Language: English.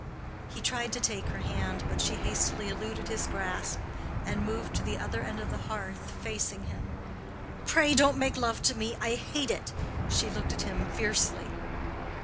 He tried to take her hand, but she hastily eluded his grasp and moved to the other end of the hearth, facing him. "Pray don't make love to me! I hate it!" she looked at him fiercely.